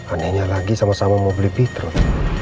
anehnya lagi sama sama mau beli beetroot